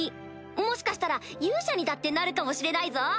もしかしたら勇者にだってなるかもしれないぞ！